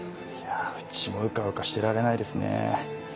いやうちもうかうかしてられないですね。